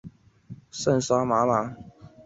力量训练有助于提升休息时的基础代谢率。